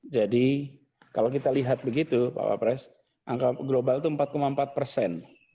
jadi kalau kita lihat begitu pak wak pres angka global itu empat empat persen